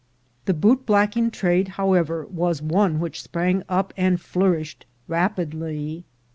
The boot blacking trade, however, was one which sprang up and flourished rapidly.